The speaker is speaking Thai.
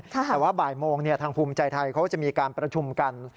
แต่ว่าบ่ายโมงทางภูมิใจไทยเขาจะมีการประชุมกัน